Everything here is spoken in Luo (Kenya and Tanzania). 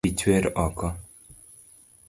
Pii chwer oko